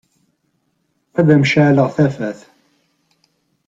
Ad m-ceɛleɣ tafat?